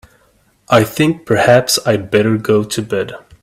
I think perhaps I'd better go to bed.